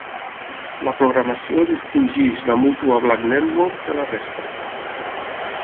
La programació distingeix la Mutual Black Network de la resta.